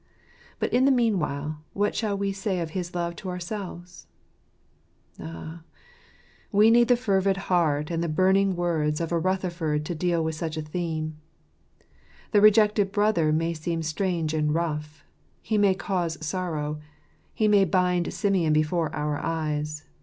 But in the mea?vwhiie what shall we say of his love to ourselves ? Ah, we need the fervid heart and the burning words of a Rutherford to deal with such a theme. The rejected Brother may seem strange and rough. He may cause sorrow. He may bind Simeon before our eyes.